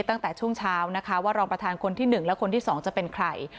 ตั้งแต่ช่วงเช้านะคะว่ารองประธานคนที่๑และคนที่๒จะเป็นใคร